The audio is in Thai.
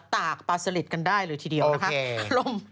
ตากปลาสลิดกันได้เลยทีเดียวนะคะ